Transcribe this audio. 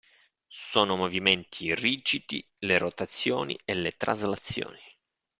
Sono movimenti rigidi le rotazioni e le traslazioni.